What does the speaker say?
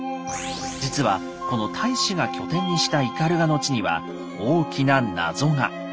実はこの太子が拠点にした斑鳩の地には大きな謎が。